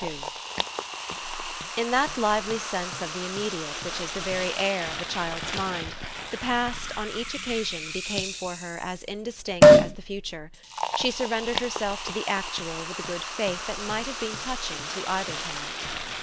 II In that lively sense of the immediate which is the very air of a child's mind the past, on each occasion, became for her as indistinct as the future: she surrendered herself to the actual with a good faith that might have been touching to either parent.